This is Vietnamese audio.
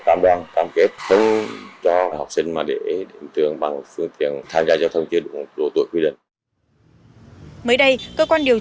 công an phương đã chỉ đạo quang phương tiến hành kiểm tra ra soạn đối với các cơ sở thành phố huế